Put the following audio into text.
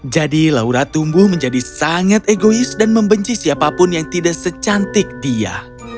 jadi laura tumbuh menjadi sangat egois dan membenci siapapun yang tidak secantik dia